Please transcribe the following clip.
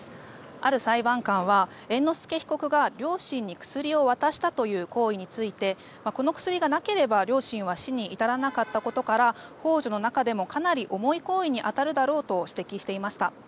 ある裁判官は、猿之助被告が両親に薬を渡した行為についてこの薬がなければ両親は死に至らなかったことから幇助の中でもかなり重い行為に当たるだろうと指摘していました。